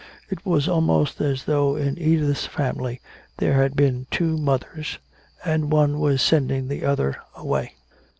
It was almost as though in Edith's family there had been two mothers, and one was sending the other away.